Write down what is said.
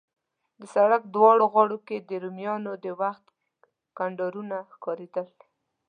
د سړک دواړو غاړو کې د رومیانو د وخت کنډرونه ښکارېدل.